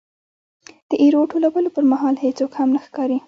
د ایرو ټولولو پرمهال هېڅوک هم نه ښکاري.